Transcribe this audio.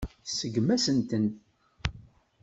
Tseggem-asent-ten.